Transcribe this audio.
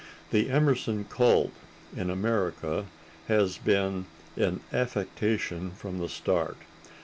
The Emerson cult, in America, has been an affectation from the start.